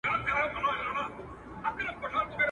نه آدم رباب سور کړی نه مستي په درخانۍ کي.